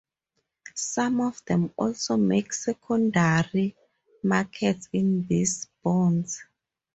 Some of them also make secondary markets in these bonds.